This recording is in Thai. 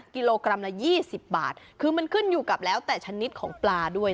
กิโลกรัมละ๒๐บาทคือมันขึ้นอยู่กับแล้วแต่ชนิดของปลาด้วย